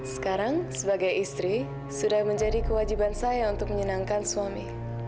sekarang sebagai istri sudah menjadi kewajiban saya untuk menyenangkan suami